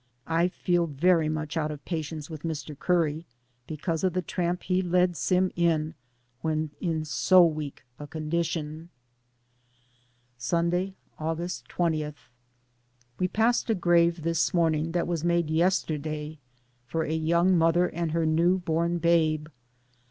I feel very much out of patience with Mr. Curry, be cause of the tramp he led Sim when in so weak a condition. Sunday, August 20. We passed a grave this morning that was made yesterday for a young mother and her 234 DAYS ON THE ROAD. new born babe.